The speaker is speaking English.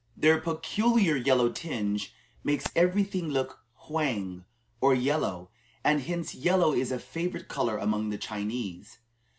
Their peculiar yellow tinge makes every thing look "hwang" or yellow, and hence yellow is a favorite color among the Chinese.